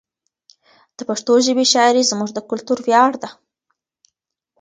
د پښتو ژبې شاعري زموږ د کلتور ویاړ ده.